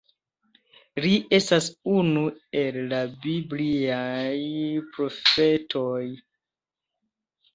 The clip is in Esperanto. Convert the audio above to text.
Li estas unu el la bibliaj profetoj.